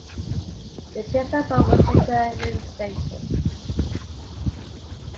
The principal was later reinstated.